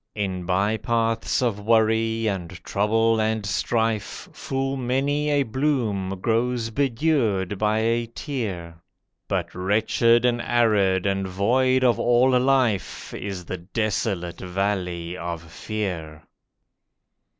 In by paths of worry and trouble and strife Full many a bloom grows bedewed by a tear, But wretched and arid and void of all life Is the desolate Valley of Fear.